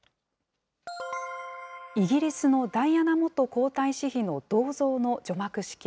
イギリスのダイアナ元皇太子妃の銅像の除幕式。